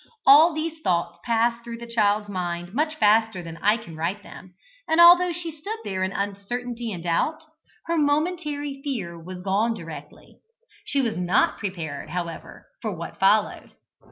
All these thoughts passed through the child's mind much faster than I can write them, and although she stood there in uncertainty and doubt, her momentary fear was gone directly. She was not prepared, however, for what followed.